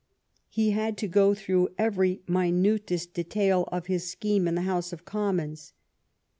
He had to go through every minutest detail of his scheme in the House of Commons.